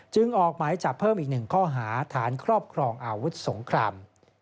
ออกหมายจับเพิ่มอีก๑ข้อหาฐานครอบครองอาวุธสงคราม